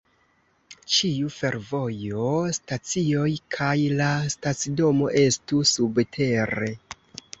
Ĉiu fervojo, stacioj kaj la stacidomo estu subtere.